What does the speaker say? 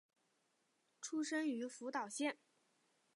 出身于福岛县。